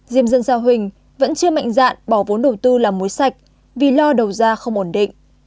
diêm dân giao huỳnh vẫn chưa mạnh dạn bỏ vốn đầu tư làm muối sạch vì lo đầu ra không ổn định